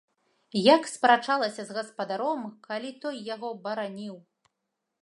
Як спрачалася з гаспадаром, калі той яго бараніў!